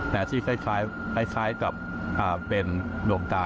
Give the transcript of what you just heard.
แน่ในที่คล้ายกับเป็นวงตา